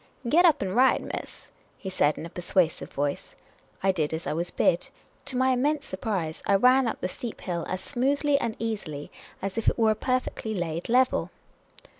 " Get up and ride, miss," he said, in a persuasive voice. I did as I was bid. To my immense surprise, I ran up the steep hill as smoothly and easily as if it were a perfectly laid level.